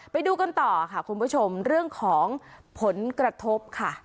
ไปดูกันต่อค่ะคุณผู้ชมเรื่องของผลกระทบค่ะ